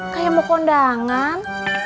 kayak mau kondangan